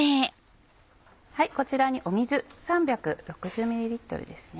こちらに水３６０ｍですね。